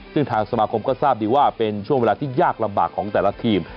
ซึ่งทางสมาคมก็ทราบดีว่าเป็นช่วงเวลาที่ยากลำบากของแต่ละทีม